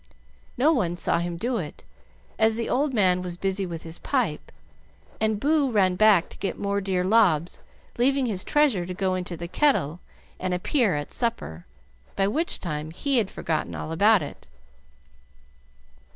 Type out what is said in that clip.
No one saw him do it, as the old man was busy with his pipe; and Boo ran back to get more dear lobs, leaving his treasure to go into the kettle and appear at supper, by which time he had forgotten all about it.